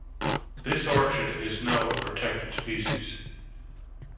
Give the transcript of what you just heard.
This orchid is now a protected species.